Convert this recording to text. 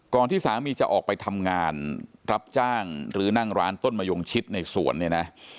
ที่สามีจะออกไปทำงานรับจ้างหรือนั่งร้านต้นมะยงชิดในสวนเนี่ยนะ